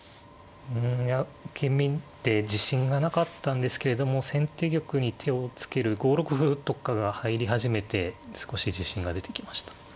うんいや受け身で自信がなかったんですけれども先手玉に手をつける５六歩とかが入り始めて少し自信が出てきました。